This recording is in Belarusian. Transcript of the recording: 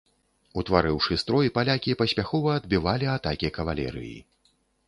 Утварыўшы строй, палякі паспяхова адбівалі атакі кавалерыі.